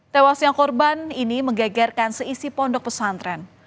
tewasnya korban ini menggegerkan seisi pondok pesantren